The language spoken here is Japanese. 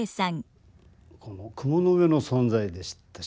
この雲の上の存在でしたし